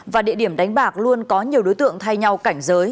và địa điểm đánh bạc luôn có nhiều đối tượng thay nhau cảnh giới